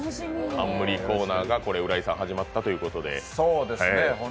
冠コーナーが始まったということで。